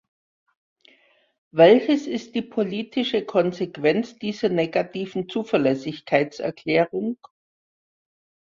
Welches ist die politische Konsequenz dieser negativen Zuverlässigkeitserklärung?